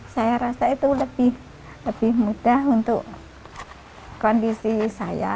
saya rasa itu lebih mudah untuk kondisi saya